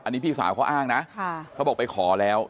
อันนี้พี่สาวเขาอ้างนะเขาบอกไปขอแล้ว